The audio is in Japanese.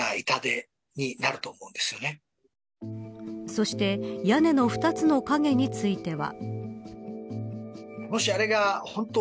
そして屋根の２つの影については。